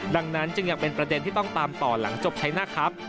ดังนั้นจึงยังเป็นประเด็นที่ต้องตามต่อหลังจบชัยหน้าครับ